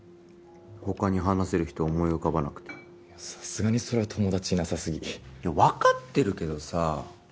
ほかに話せる人思い浮かばなくてさすがにそれは友達いなさすぎいや分かってるけどさ